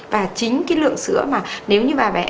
và chính lượng sữa mà nếu như bà mẹ